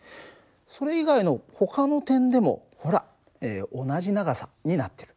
それ以外のほかの点でもほら同じ長さになってる。